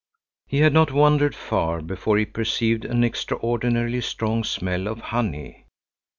He had not wandered far before he perceived an extraordinarily strong smell of honey.